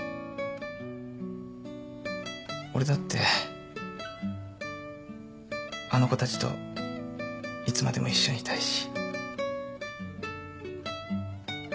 俺だってあの子たちといつまでも一緒にいたいし。